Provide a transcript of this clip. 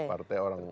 partai orang miskin